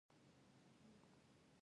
پیاز او هوږه د خوړو خوند زیاتوي.